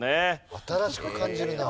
新しく感じるな。